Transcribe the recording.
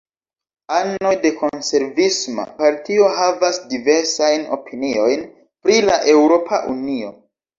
Anoj de Konservisma Partio havas diversajn opiniojn pri la Eŭropa Unio.